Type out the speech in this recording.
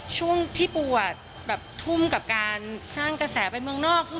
ช่วงที่ปวดแบบทุ่มกับการสร้างกระแสไปเมืองนอก